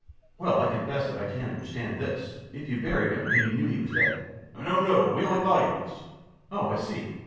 Q. Well, I confess that I can't understand this. If you buried him, and you knew he was dead. A. No! no! We only thought he was. Q. Oh, I see!